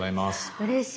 うれしい。